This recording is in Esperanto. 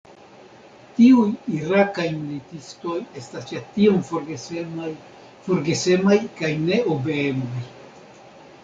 Tiuj irakaj militistoj estas ja tiom forgesemaj – forgesemaj kaj neobeemaj.